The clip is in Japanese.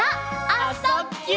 「あ・そ・ぎゅ」